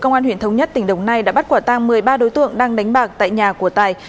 công an huyện thống nhất tỉnh đồng nai đã bắt quả tang một mươi ba đối tượng đang đánh bạc tại nhà của tài